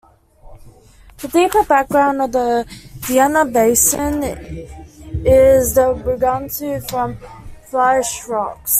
The deeper background of the Vienna Basin is the Brigittenau from flysch rocks.